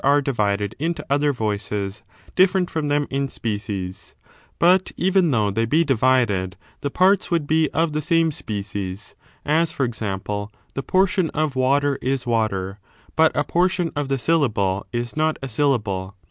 are divided into other voices different from them in species ; but, even though they be divided, the parts would be of the same species ; as, for example, the portion of water is water, but a portion of the syllable is not a syllable.